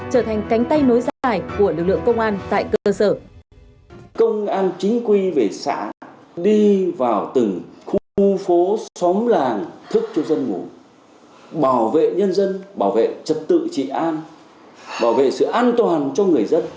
trở thành cánh tay nối dài của lực lượng công an tại cơ sở